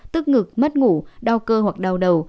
tức ngực mất ngủ đau cơ hoặc đau đầu